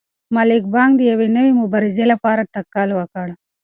ملا بانګ د یوې نوې مبارزې لپاره تکل وکړ.